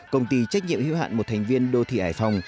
công ty trách nhiệm hữu hạn một thành viên đô thị hải phòng